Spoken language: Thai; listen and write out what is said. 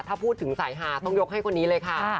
ถ้าพูดถึงสายฮาต้องยกให้คนนี้เลยค่ะ